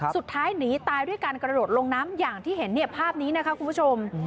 สุดท้ายหนีตายด้วยการกระโดดลงน้ำอย่างที่เห็นเนี่ยภาพนี้นะคะคุณผู้ชม